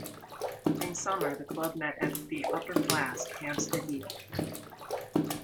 In summer, the club met at the Upper Flask, Hampstead Heath.